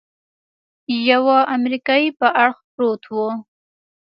يوه امريکايي پر اړخ پروت و.